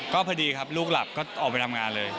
ก็พอดีครับลูกหลับก็ออกไปทำงานเลย